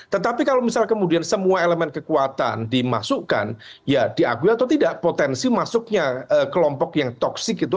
tetapi kalau misalnya kemudian semua elemen kekuatan dimasukkan ya diakui atau tidak potensi masuknya kelompok yang toksik itu